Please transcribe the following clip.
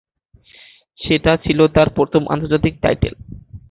সেটা ছিল তার প্রথম আন্তর্জাতিক টাইটেল।